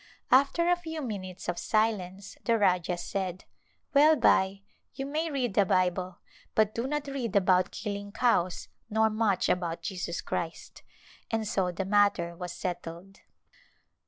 After a few minutes of silence the Rajah said, " Well, Bai, you may read the Bible, but do not read about killing cows^ nor much about Jesus Christ," and so the matter was settled.